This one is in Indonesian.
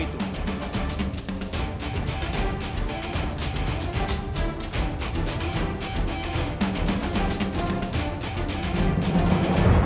aku akan menang